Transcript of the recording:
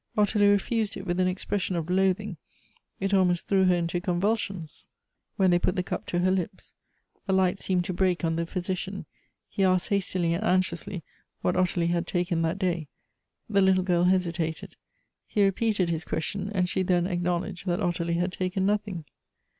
Ottilie refused it with an expression of loathing : it almost threw her into convulsions, when they put the cup to her lips. A light seemed to break on the physi cian ; he asked hastily and anxiously what Ottilie had 316 Goethe's taken that day. The little girl hesitated. He repeated his question, and she then acknowledged that Ottilie had taken nothing.